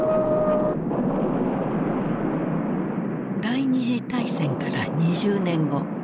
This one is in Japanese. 第二次大戦から２０年後。